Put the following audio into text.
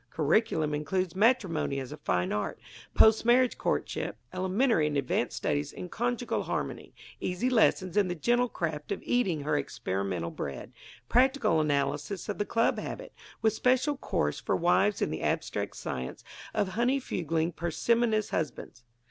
Curriculum includes Matrimony as a Fine Art, Post Marriage Courtship, Elementary and Advanced Studies in Conjugal Harmony, Easy Lessons in the Gentle Craft of Eating Her Experimental Bread, Practical Analysis of the Club Habit, with special course for wives in the Abstract Science of Honeyfugling Parsimonious Husbands.